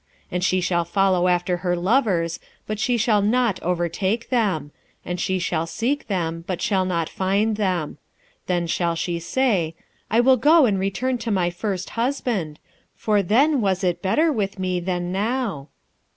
2:7 And she shall follow after her lovers, but she shall not overtake them; and she shall seek them, but shall not find them: then shall she say, I will go and return to my first husband; for then was it better with me than now.